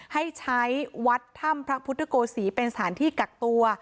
ให้ใช้วัดถ้ำพระพุทธโกศีเป็นสถานที่กักตัว